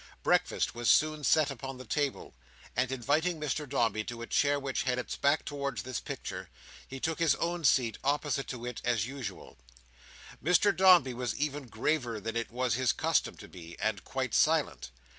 Breakfast was soon set upon the table; and, inviting Mr Dombey to a chair which had its back towards this picture, he took his own seat opposite to it as usual. Mr Dombey was even graver than it was his custom to be, and quite silent.